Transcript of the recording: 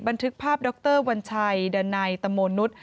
บันทึกภาพดรวัญชัยดันัยตโมนุษย์